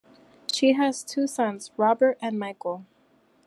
She has two sons, Robert and Michael.